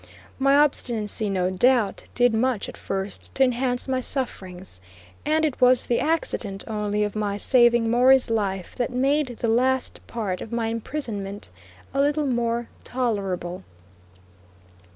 My obstinacy, no doubt, did much at first to enhance my sufferings, and it was the accident only of my saving Morey's life that made the last part of my imprisonment a little more tolerable.